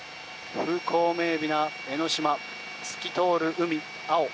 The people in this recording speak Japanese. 風光明媚な江の島透き通る海、青。